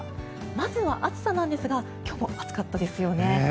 まずは暑さなんですが今日も暑かったですよね。